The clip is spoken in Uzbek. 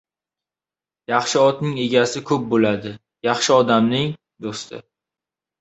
• Yaxshi otning egasi ko‘p bo‘ladi, yaxshi odamning — do‘sti.